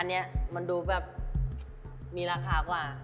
อันนี้มันดูแบบมีราคากว่า